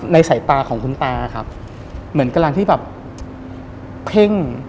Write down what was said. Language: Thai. สายตาของคุณตาครับเหมือนกำลังที่แบบเพ่ง